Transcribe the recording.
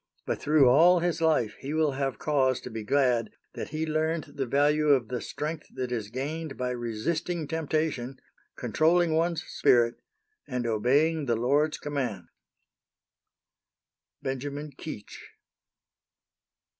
But through all his life he will have cause to be glad that he learned the value of the strength that is gained by resisting temptation, controlling one's spirit, and obeying the Lord's commands. BENJAMIN KEECH.